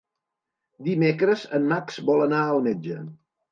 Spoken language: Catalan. Dimecres en Max vol anar al metge.